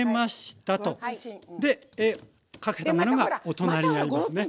でかけたものがお隣にありますね。